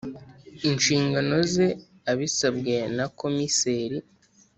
nshingano ze abisabwe na Komiseri